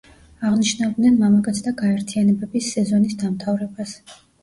აღნიშნავდნენ მამაკაცთა გაერთიანებების სეზონის დამთავრებას.